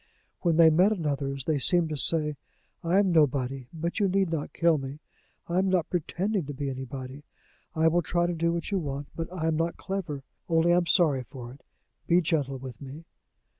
When they met another's, they seemed to say: "I am nobody; but you need not kill me; I am not pretending to be anybody. I will try to do what you want, but I am not clever. Only I am sorry for it. Be gentle with me."